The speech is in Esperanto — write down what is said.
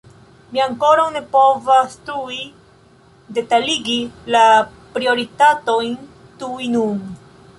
Mi ankoraŭ ne povas tuj detaligi la prioritatojn tuj nun.